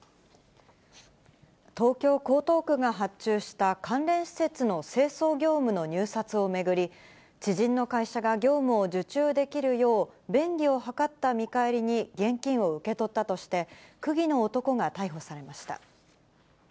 東京・江東区が発注した関連施設の清掃業務の入札を巡り、知人の会社が業務を受注できるよう、便宜を図った見返りに現金を受け取ったとして、区議の男が逮捕されました。